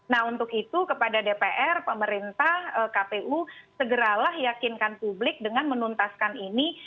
nah untuk itu kepada dpr pemerintah kpu segeralah yakinkan publik dengan menuntaskan ini